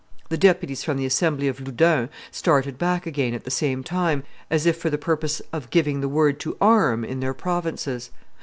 The deputies from the assembly of Loudun started back again at the same time, as if for the purpose of giving the word to arm in their provinces.